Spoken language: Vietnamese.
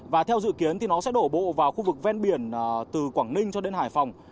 và theo dự kiến thì nó sẽ đổ bộ vào khu vực ven biển từ quảng ninh cho đến hải phòng